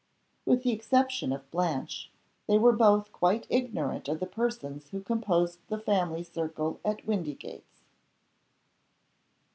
With the exception of Blanche, they were both quite ignorant of the persons who composed the family circle at Windygates.